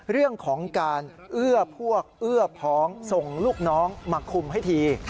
เรื่องของการเอื้อพวกเอื้อพ้องส่งลูกน้องมาคุมให้ที